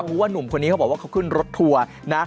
เพราะว่านุ่มคนนี้เขาบอกว่าเขาขึ้นรถทัวร์นะ